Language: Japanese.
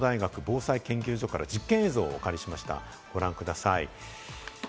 京都大学防災研究所から実験映像をお借りしました。